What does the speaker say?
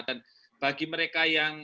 dan bagi mereka yang